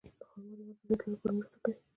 خرما د وزن زیاتولو لپاره مرسته کوي.